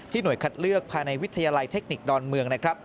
ที่หน่วยคัดเลือกภายในวิทยาลัยเทคนิคดอลเมือง